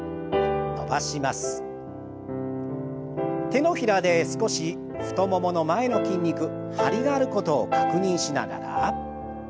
手のひらで少し太ももの前の筋肉張りがあることを確認しながら。